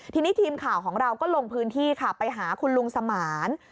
ทีนี้ทีมข่าวของเราก็ลงพื้นที่ค่ะไปหาคุณลุงสมาน